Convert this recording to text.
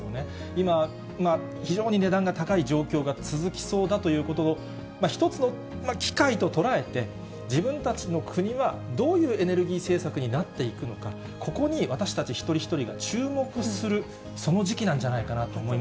今、非常に値段が高い状況が続きそうだということ、一つの機会と捉えて、自分たちの国はどういうエネルギー政策になっていくのか、ここに私たち一人一人が注目する、その時期なんじゃないかなと思い